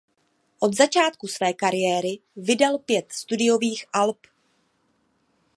Od začátku své kariéry vydal pět studiových alb.